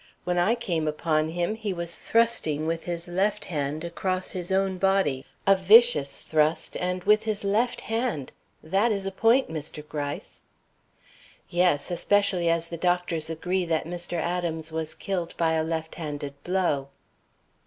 When I came upon him, he was thrusting with his left hand across his own body a vicious thrust and with his left hand. That is a point, Mr. Gryce." "Yes, especially as the doctors agree that Mr. Adams was killed by a left handed blow."